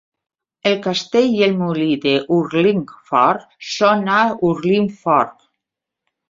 El castell i el molí d'Urlingford són a Urlingford.